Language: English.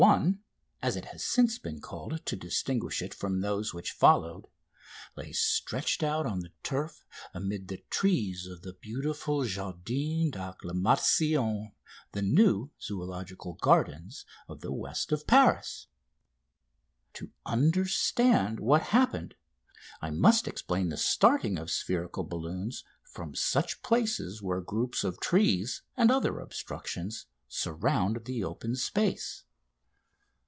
1," as it has since been called to distinguish it from those which followed lay stretched out on the turf amid the trees of the beautiful Jardin d'Acclimatation, the new Zoological Garden of the west of Paris. To understand what happened I must explain the starting of spherical balloons from such places where groups of trees and other obstructions surround the open space.